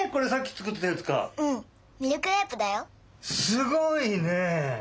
すごいね！